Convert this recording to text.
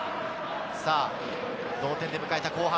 同点で迎えた後半。